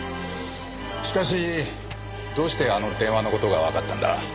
しかしどうしてあの電話の事がわかったんだ？